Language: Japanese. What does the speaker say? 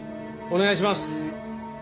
お願いします！